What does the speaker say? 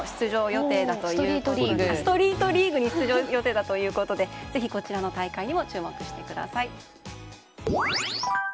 ストリートリーグに出場予定だということでぜひこちらの大会にも注目してください。